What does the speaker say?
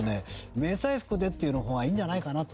「迷彩服で」っていう方がいいんじゃないかなと。